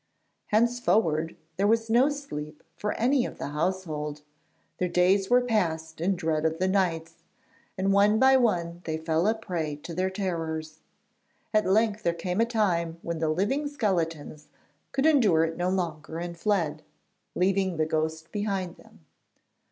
Henceforward there was no sleep for any of the household; their days were passed in dread of the nights, and one by one they fell a prey to their terrors. At length there came a time when the living skeletons could endure it no longer and fled, leaving the ghost behind them.